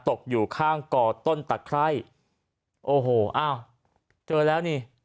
ตกอยู่ข้างก่อต้นตะไคร่โอ้โหอ้าวเจอแล้วนี่